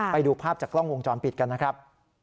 ไปดูภาพจากกล้องวงจรปิดกันนะครับ